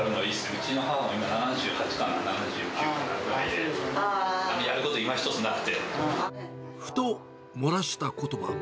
うちの母も今、７８かな、７９かなんかで、やること、ふと、漏らしたことば。